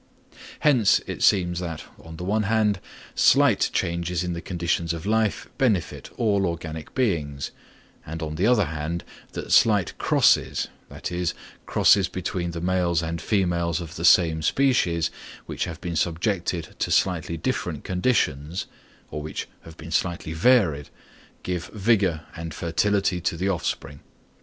Hence it seems that, on the one hand, slight changes in the conditions of life benefit all organic beings, and on the other hand, that slight crosses, that is, crosses between the males and females of the same species, which have been subjected to slightly different conditions, or which have slightly varied, give vigour and fertility to the offspring.